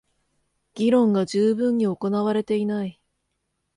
議論が充分に行われていない